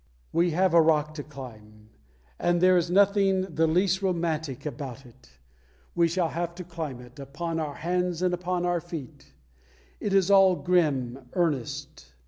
'" We have a rock to climb, and there is nothing the least romantic about it. We shall have to climb it "upon our hands and upon our feet." It is all grim earnest.